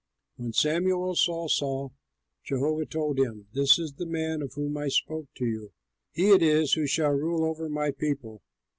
When Samuel saw Saul, Jehovah told him, "This is the man of whom I spoke to you! He it is who shall rule over my people."